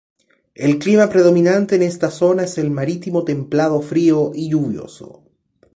El Clima predominante en esta zona es el marítimo templado-frío y lluvioso.